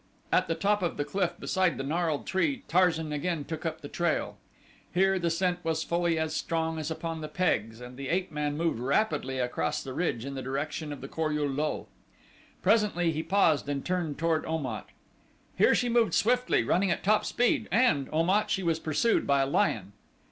At the top of the cliff beside the gnarled tree Tarzan again took up the trail. Here the scent was fully as strong as upon the pegs and the ape man moved rapidly across the ridge in the direction of the Kor ul lul. Presently he paused and turned toward Om at. "Here she moved swiftly, running at top speed, and, Om at, she was pursued by a lion."